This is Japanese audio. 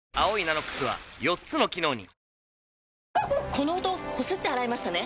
この音こすって洗いましたね？